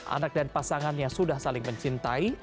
anak dan pasangannya sudah saling mencintai